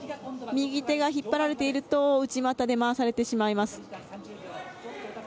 右手が引っ張られていると内股で回されてしまいます。